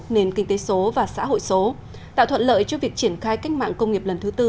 nền kinh tế số và xã hội số tạo thuận lợi cho việc triển khai cách mạng công nghiệp lần thứ tư